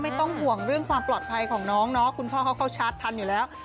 ไม่ต้องห่วงเรื่องความปลอดภัยของน้องเนาะคุณพ่อเขาเข้าชาร์จทันอยู่แล้ว